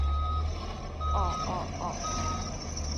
喔喔喔